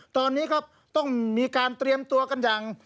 ตอนนี้ครับต้องมีการเตรียมตัวกันอย่าง